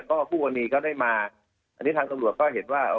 ก็คู่กรณีก็ได้มาอันนี้ทางตำรวจก็เห็นว่า